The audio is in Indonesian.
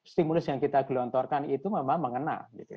stimulus yang kita gelontorkan itu memang mengenal